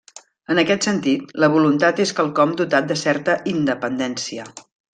En aquest sentit, la voluntat és quelcom dotat de certa independència.